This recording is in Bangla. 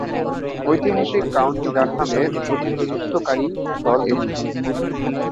ঐতিহাসিক কাউন্টি ডারহামের প্রতিনিধিত্বকারী দল এটি।